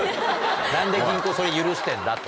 何で銀行それ許してんだと。